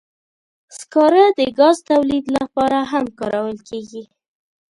سکاره د ګاز تولید لپاره هم کارول کېږي.